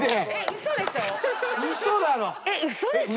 ⁉嘘でしょ